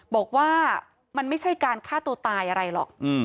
บอกว่ามันไม่ใช่การฆ่าตัวตายอะไรหรอก